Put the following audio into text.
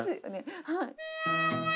はい。